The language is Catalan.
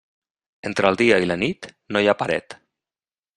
Entre el dia i la nit, no hi ha paret.